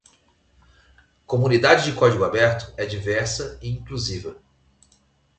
Comunidade de código aberto é diversa e inclusiva.